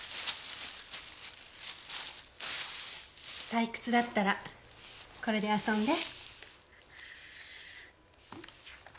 退屈だったらこれで遊んで。